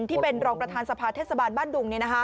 ที่เป็นรองประธานสภาเทศบาลบ้านดุง